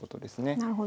なるほど。